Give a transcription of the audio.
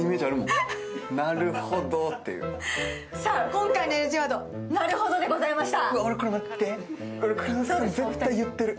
今回のＮＧワード、「なるほど」でございました。